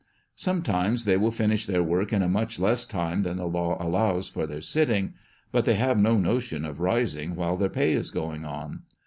Sometimes they will finish their work in a much less time than the law allows for their sitting, but they have no notion of rising while their pay is going on.